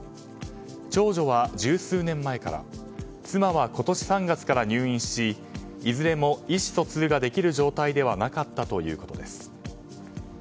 長女は十数年前から妻は今年３月から入院しいずれも意思疎通ができる状態ではなかったということです。